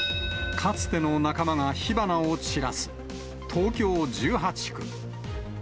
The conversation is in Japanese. かつての仲間が火花を散らす、東京１８区。